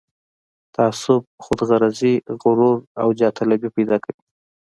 تعصب، خودغرضي، غرور او جاه طلبي پيدا کوي.